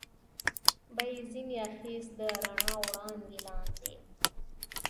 به یې ځنې اخیست، د رڼا وړانګې لاندې.